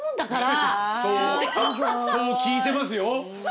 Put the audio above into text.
そう聞いてますよ。